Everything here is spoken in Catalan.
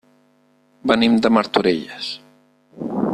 Venim de Martorelles.